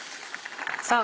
さぁ